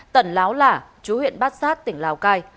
tần láo lả chú huyện bát sát tỉnh lào cai